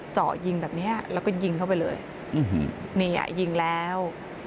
เจาะยิงแบบเนี้ยแล้วก็ยิงเข้าไปเลยนี่อ่ะยิงแล้ว